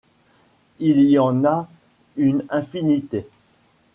Il y en a une infinité.